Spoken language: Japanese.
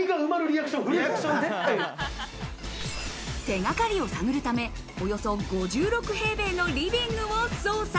手掛かりを探るため、およそ５６平米のリビングを捜査。